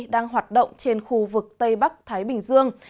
đang hoạt động trên khu vực tây bắc thái bình dương